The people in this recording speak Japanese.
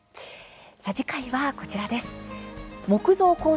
次回は、こちらです。